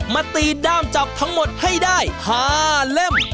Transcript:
มาตีด้ามจับทั้งหมดให้ได้๕เล่ม